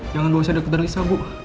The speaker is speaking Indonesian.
jangan bawa saya ke dokter lisa bu